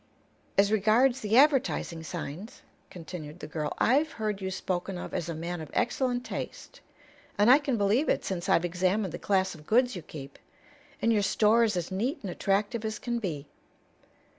"As regards the advertising signs," continued the girl, "I've heard you spoken of as a man of excellent taste, and I can believe it since I've examined the class of goods you keep. And your store is as neat and attractive as can be.